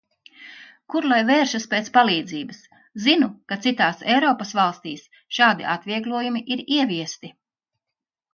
Kur lai vēršas pēc palīdzības. Zinu, ka citās Eiropas valstīs šādi atvieglojumi ir ieviesti.